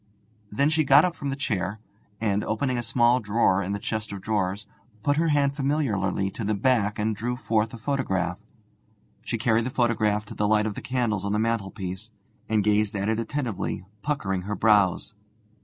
Then she got up from the chair, and, opening a small drawer in the chest of drawers, put her hand familiarly to the back and drew forth a photograph. She carried the photograph to the light of the candles on the mantelpiece, and gazed at it attentively, puckering her brows.